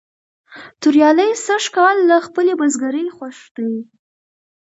توریالی سږ کال له خپلې بزگرۍ خوښ دی.